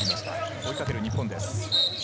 追い掛ける日本です。